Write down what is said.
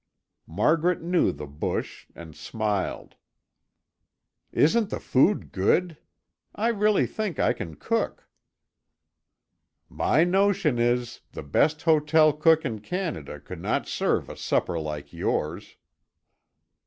Margaret knew the bush and smiled. "Isn't the food good? I really think I can cook." "My notion is, the best hotel cook in Canada could not serve a supper like yours."